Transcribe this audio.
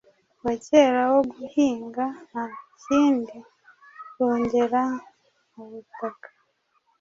wa kera wo guhinga nta kindi bongera mu butaka,